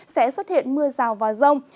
sẽ xuất hiện mưa rào và rông